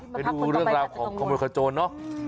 ไปดูเรื่องราวของขโมยขโจนเนอะ